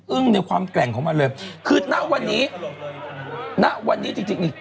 ในความแกร่งของมันเลยคือณวันนี้ณวันนี้จริงจริงนี่